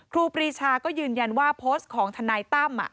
ครูปรีชาก็ยืนยันว่าโพสต์ของทนายตั้ม